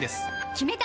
決めた！